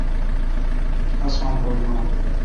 اسمان پاگوڑون۔